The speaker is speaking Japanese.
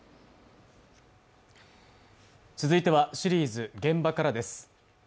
続いてはシリーズ「現場から」です。